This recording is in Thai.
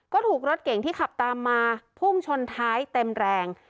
ก็ถูกรถเก่งที่ขับตามมาพุ่งชนท้ายเต็มแรง